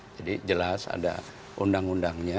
jadi jelas ada undang undangnya